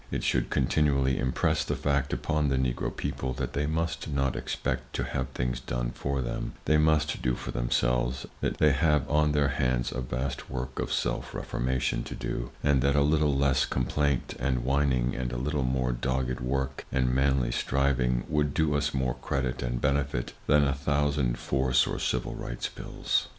It should continually impress the fact upon the Negro people that they must not expect to have things done for them—they must do for themselves; that they have on their hands a vast work of self reformation to do, and that a little less complaint and whining, and a little more dogged work and manly striving would do us more credit and benefit than a thousand Force or Civil Rights bills.